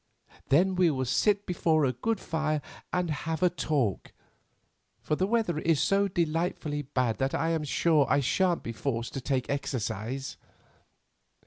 Then we will sit before a good fire, and have a talk, for the weather is so delightfully bad that I am sure I shan't be forced to take exercise."